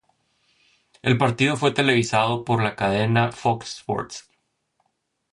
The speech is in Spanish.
El partido fue televisado por la cadena Fox Sports.